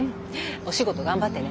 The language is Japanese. お仕事頑張ってね。